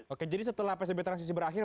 oke jadi setelah psbb transisi berakhir